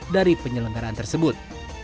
dari penyelenggaraan tersebut